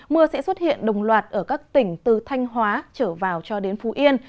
mưa sẽ xuất hiện đồng loạt ở các tỉnh từ thanh hóa trở vào cho đến phú yên